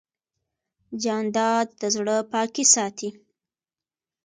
جانداد د زړه پاکي ساتي.